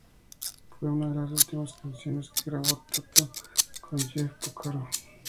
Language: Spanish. Fue una de las últimas canciones que grabó Toto con Jeff Porcaro.